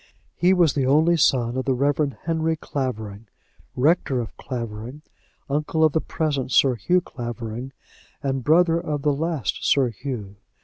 He was the only son of the Reverend Henry Clavering, rector of Clavering, uncle of the present Sir Hugh Clavering, and brother of the last Sir Hugh.